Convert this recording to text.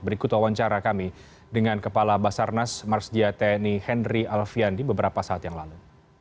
berikut wawancara kami dengan kepala basarnas marsdia tni henry alfian di beberapa saat yang lalu